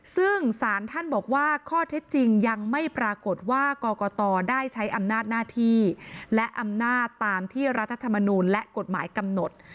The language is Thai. ซึ่งสารท่านบอกว่าข้อเท็จจริงยังไม่ปรากฏว่ากรกตได้ใช้อำนาจหน้าที่และอำนาจตามที่รัฐธรรมนูลและกฎหมายกำหนด